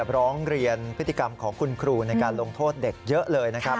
ร้องเรียนพฤติกรรมของคุณครูในการลงโทษเด็กเยอะเลยนะครับ